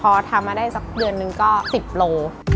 พอทำมาได้สักเดือนนึงก็๑๐โล